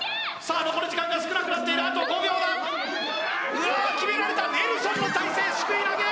残り時間が少なくなっているあと５秒だうわー決められたネルソンの体勢掬い投げ！